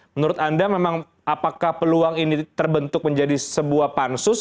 menurut anda memang apakah peluang ini terbentuk menjadi sebuah pansus